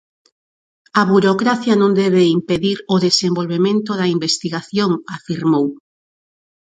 A burocracia non debe impedir o desenvolvemento da investigación, afirmou.